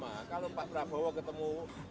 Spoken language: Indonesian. ya karena pemilunya sudah selesai